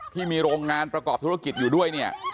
ที่มีโรงงานประกอบธุรกิจอยู่ด้วยเนี่ย